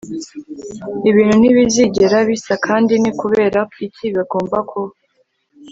ibintu ntibizigera bisa Kandi ni ukubera iki bagomba kuba